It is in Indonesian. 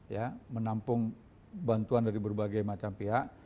ya menampung bantuan dari berbagai macam pihak